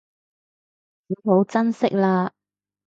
好好珍惜喇